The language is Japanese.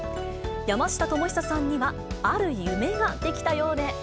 山下智久さんには、ある夢が出来たようで。